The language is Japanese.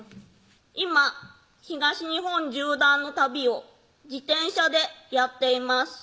「今東日本縦断の旅を自転車でやっています」